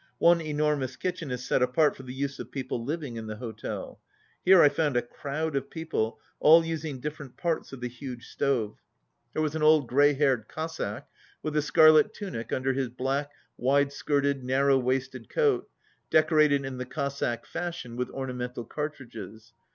One enormous kitchen is set apart for the use of people living in the hotel. Here I found a crowd of people, all using different parts of the huge stove. There was an old grey 38 haired Cossack, with a scarlet tunic under his black, wide skirted, narrow waisted coat, decorated in the Cossack fashion with ornamental cartridges.